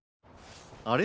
あれ？